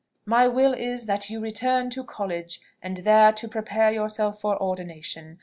My will is, that you return to College, there to prepare yourself for ordination.